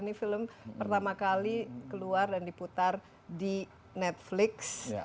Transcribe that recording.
ini film pertama kali keluar dan diputar di netflix